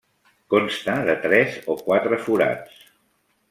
Consta de tres o quatre forats.